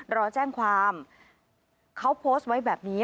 รอแจ้งความเขาโพสต์ไว้แบบนี้